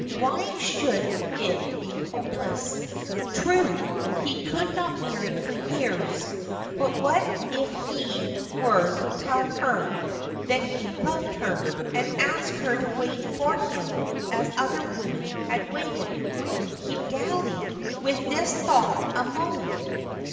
Why should it be hopeless? True, he could not marry for years; but what if he were to tell her that he loved her, and ask her to wait for him, as other women had waited? He dallied with this thought a moment.